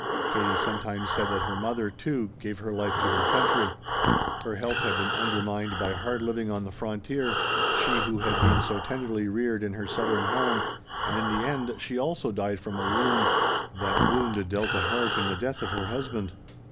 Katie sometimes said that her mother, too, gave her life to her country. Her health had been undermined by hard living on the frontier she who had been so tenderly reared in her southern home and in the end she also died from a wound, that wound dealt the heart in the death of her husband.